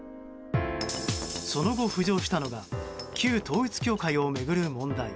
その後、浮上したのが旧統一教会を巡る問題。